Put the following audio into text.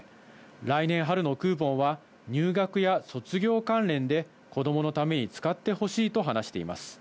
来年春のクーポンは、入学や卒業関連で、子どものために使ってほしいと話しています。